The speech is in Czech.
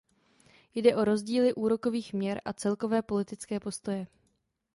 Jde o rozdíly úrokových měr a celkové politické postoje.